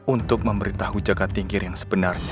untuk memberitahu jaga tingkir yang sebenarnya